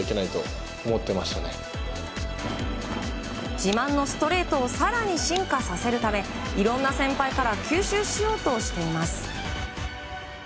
自慢のストレートを更に進化させるためいろんな先輩から吸収しようとしています。